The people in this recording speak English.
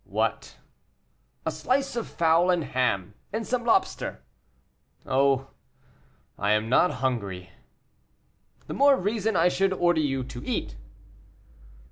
"What?" "A slice of fowl and ham, and some lobster." "Oh, I am not hungry." "The more reason I should order you to eat."